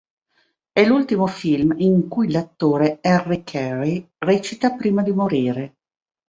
È l'ultimo film in cui l'attore Harry Carey recita prima di morire.